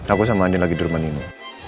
aku sama andin lagi di rumah nino